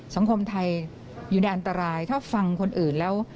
สังคมไทยอยู่ในอันตรายถ้าฟังคนอื่นแล้ว